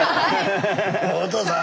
お父さん